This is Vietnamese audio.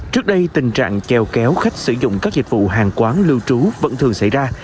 trước đây tình trạng chèo kéo khách sử dụng các dịch vụ hàng quán lưu trú vẫn thường xảy ra